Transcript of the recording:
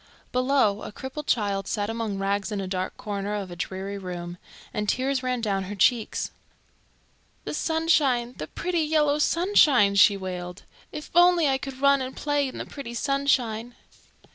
Below, a crippled child sat among rags in a dark corner of a dreary room, and tears ran down her cheeks. "The sunshine, the pretty yellow sunshine!" she wailed. "If only I could run and play in the pretty sunshine!"